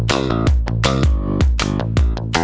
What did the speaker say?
siapa anak itu